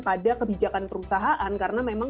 pada kebijakan perusahaan karena memang